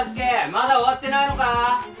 まだ終わってないのか？